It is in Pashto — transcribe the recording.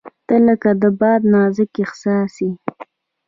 • ته لکه د باد نازک احساس یې.